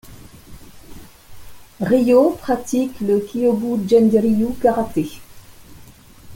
Ryo pratique le Kyokugenryu Karate.